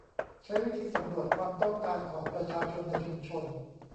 ใช้วิธีสำรวจความต้องการของประชาชนในชุมชน